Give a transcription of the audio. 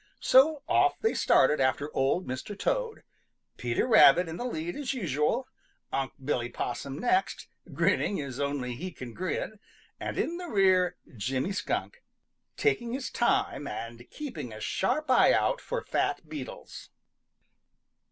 So off they started after Old Mr. Toad, Peter Rabbit in the lead as usual, Unc' Billy Possum next, grinning as only he can grin, and in the rear Jimmy Skunk, taking his time and keeping a sharp eye out for fat beetles.